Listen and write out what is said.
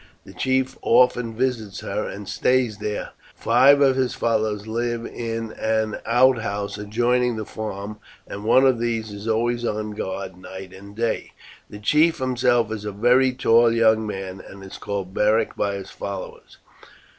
The chief often visits her and stays there; five of his followers live in an out house adjoining the farm, and one of these is always on guard night and day. "'The chief himself is a very tall young man, and is called Beric by his followers.